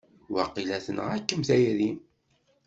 Waqila tenɣa-kem tayri!